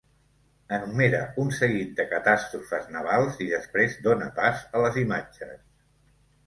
Enumera un seguit de catàstrofes navals i després dóna pas a les imatges.